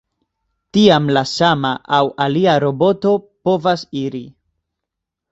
Tiam la sama aŭ alia roboto povas iri.